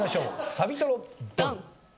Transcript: サビトロドン！